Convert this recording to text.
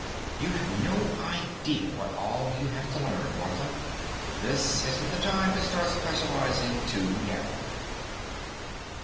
"You have no idea what all you have to learn, Martha. This isn't the time to start specializing too narrowly."